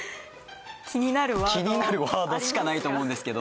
気になるワードしかないと思うんですけど